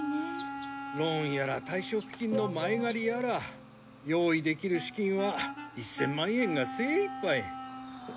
ローンやら退職金の前借りやら用意できる資金は１０００万円が精いっぱい。